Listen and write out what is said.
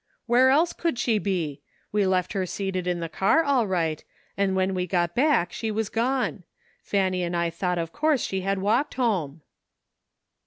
" Where else could she be ? We left her seated in the car all right, and when we got back she was gone. Fanny and I thought of course she had walked home."